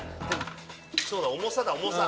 そうだ重さだ重さ！